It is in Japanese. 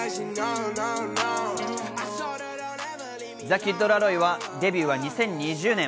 ザ・キッド・ラロイはデビューは２０２０年。